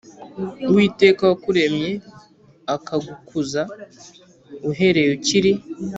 Uwiteka wakuremye akagukuza uhereye ukiri